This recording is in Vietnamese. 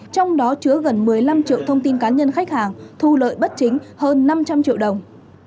trong đó chứa gần một mươi năm triệu thông tin cá nhân khách hàng thu lợi bất chính hơn năm trăm linh triệu đồng